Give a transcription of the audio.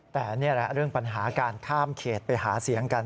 แต่นี่แหละเรื่องปัญหาการข้ามเขตไปหาเสียงกัน